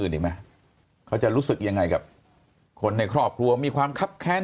อีกไหมเขาจะรู้สึกยังไงกับคนในครอบครัวมีความคับแค้น